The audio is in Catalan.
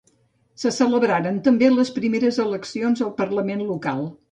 Se celebraren també les primeres eleccions al parlament local.